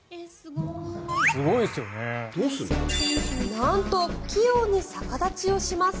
なんと器用に逆立ちをします。